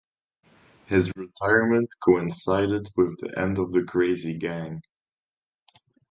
His retirement coincided with the end of the 'Crazy Gang'.